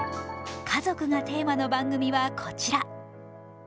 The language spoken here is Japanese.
家族がテーマの番組はこちら。